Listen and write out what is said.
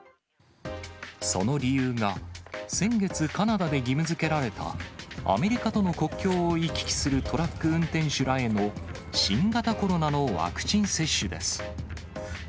その理由が、先月、カナダで義務づけられた、アメリカとの国境を行き来するトラック運転手らへの新型コロナのワクチン接種です。